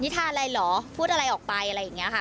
ทานอะไรเหรอพูดอะไรออกไปอะไรอย่างนี้ค่ะ